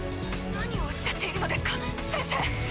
何を仰っているのですか先生！